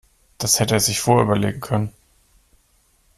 Das hätte er sich vorher überlegen können.